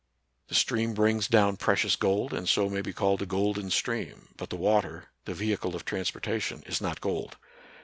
The stream brings down precious gold, and so may be called a golden stream; but the water — the vehicle of transportation — is not gold.